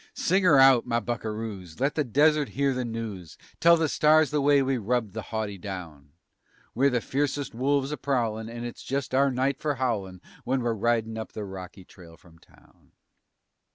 Sing 'er out, my buckeroos! Let the desert hear the news. Tell the stars the way we rubbed the haughty down. We're the fiercest wolves a prowlin' and it's just our night for howlin' When we're ridin' up the rocky trail from town.